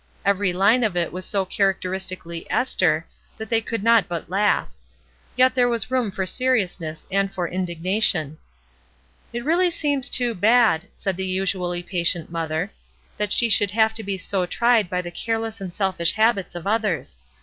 Every line of it was so characteristi cally Esther that they could not but laugh. Yet there was room for seriousness and for indignation. "It really seems too bad," said the usually patient mother, "that she should have to be so tried by the careless and selfish habits of others.